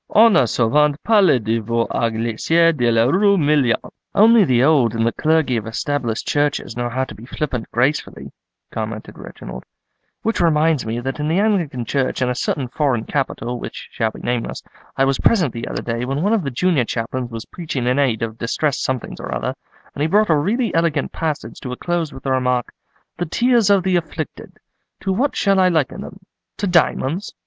On a souvent parlé de vous à l'église de la rue Million.'" "Only the old and the clergy of Established churches know how to be flippant gracefully," commented Reginald; "which reminds me that in the Anglican Church in a certain foreign capital, which shall be nameless, I was present the other day when one of the junior chaplains was preaching in aid of distressed somethings or other, and he brought a really eloquent passage to a close with the remark, 'The tears of the afflicted, to what shall I liken them—to diamonds?